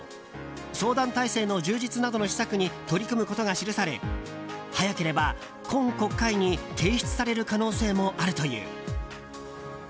相談体制の充実などの施策に取り組むことが記され早ければ今国会に提出される可能性もあるという。